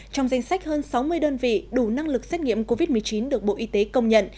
trong danh sách hơn sáu mươi đơn vị đủ năng lực xét nghiệm covid một mươi chín được bộ y tế công nhận